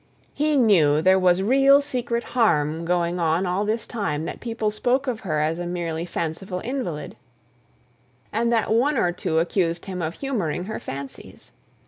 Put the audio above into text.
He knew there was real secret harm going on all this time that people spoke of her as a merely fanciful invalid; and that one or two accused him of humouring her fancies.